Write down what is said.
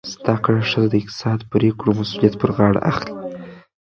زده کړه ښځه د اقتصادي پریکړو مسؤلیت پر غاړه اخلي.